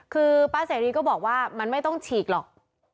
คือป้าเสรีก็บอกว่ามันไม่ต้องฉีกหรอก